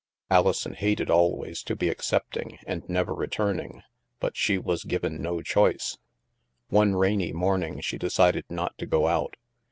Alison hated always to be accepting and never re turning, but she was given no choice. One rainy morning she decided not to go out.